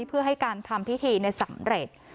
เพื่อให้การทำพิธีสำเร็จ